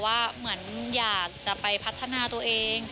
ว่าเหมือนอยากจะไปพัฒนาตัวเอง